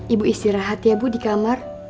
ibu istirahat ya bu di kamar